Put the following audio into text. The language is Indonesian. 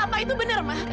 apa itu benar ma